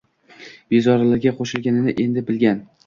Bezorilarga qoʻshilganini endi bilgan